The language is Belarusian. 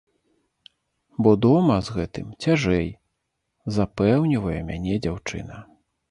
Бо дома з гэтым цяжэй, запэўнівае мяне дзяўчына.